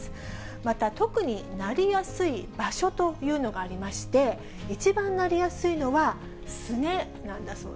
また特になりやすい場所というのがありまして、一番なりやすいのは、すね？